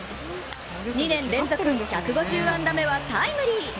２年連続１５０安打目はタイムリー。